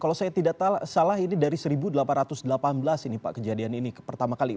kalau saya tidak salah ini dari seribu delapan ratus delapan belas ini pak kejadian ini pertama kali